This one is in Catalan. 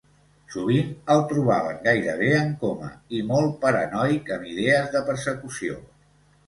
Sovint el trobaven gairebé en coma i molt paranoic amb idees de persecució.